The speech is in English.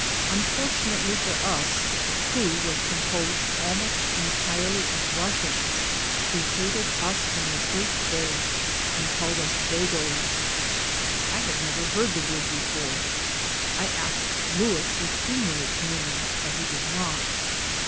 Unfortunately for us, the crew was com posed almost entirely of Russians, who hated us from the first day, and called us "dagoes." I had never heard the word before ; I asked Louis if he knew its meaning, but he did not.